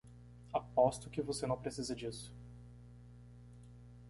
Aposto que você não precisa disso.